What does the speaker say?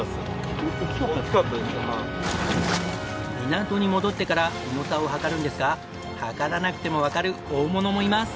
港に戻ってから重さを量るんですが量らなくてもわかる大物もいます。